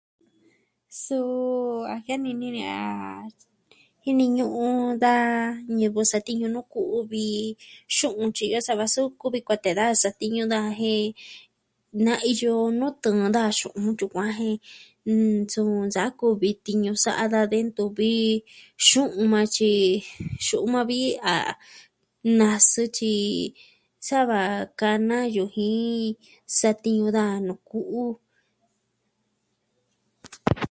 Suu a jianini ni a jini ñu'un ñivɨ satiñu nuu ku'u vi xu'un tyiyo sava suu kuvi kuatee da satiñu daja jen na iyo nuu tɨɨn daja xu'un yukuan jen suu... sa kuvi tiñu sa'a de ntuvi xu'un maa tyi, xu'un maa vi a na sutyi na sutyi sava kana yujii, satiñu daja nuu ku'u.